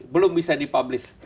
belum bisa di publis